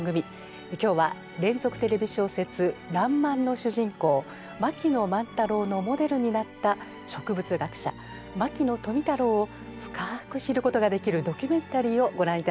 今日は連続テレビ小説「らんまん」の主人公槙野万太郎のモデルになった植物学者牧野富太郎を深く知ることができるドキュメンタリーをご覧いただきます。